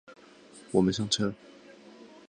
我们上车